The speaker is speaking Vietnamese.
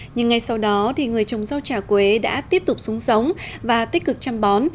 nhưng ngay sau đó thì người trồng rau trà quế đã tiếp tục súng sống và tích cực chăm bón